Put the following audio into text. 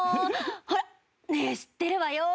「ほらねえ知ってるわよ」